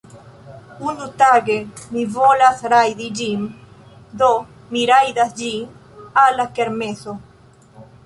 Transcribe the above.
Unutage mi volas rajdi ĝin, Do mi rajdas ĝin al la kermeso